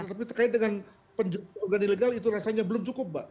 tapi terkait dengan penjualan organ ilegal itu rasanya belum cukup mbak